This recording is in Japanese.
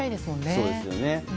そうですよね。